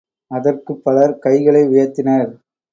அதற்குப் பலர் கைகளை உயர்த்தினர்.